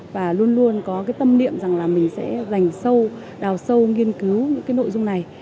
và luôn luôn có cái tâm niệm rằng là mình sẽ dành sâu đào sâu nghiên cứu những cái nội dung này